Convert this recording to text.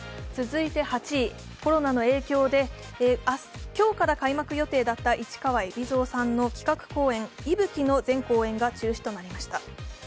続いて８位、コロナの影響で今日から開幕予定だった市川海老蔵さんの企画公園「いぶき」の全公演が中止となりました。